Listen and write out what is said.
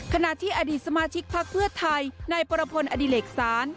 ขณะที่อดีตสมาชิกพักเพื่อไทยนายปรพลอดิเลกศาล